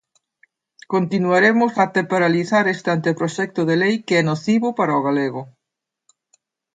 Continuaremos até paralizar este anteproxecto de lei que é nocivo para o galego.